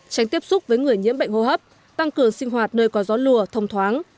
tránh tiếp xúc với người nhiễm bệnh hô hấp tăng cường sinh hoạt nơi có gió lùa thông thoáng